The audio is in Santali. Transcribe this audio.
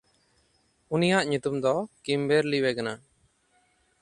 ᱩᱱᱤᱭᱟᱜ ᱧᱩᱛᱩᱢ ᱫᱚ ᱠᱤᱢᱵᱮᱨᱞᱤᱣᱮ ᱠᱟᱱᱟ᱾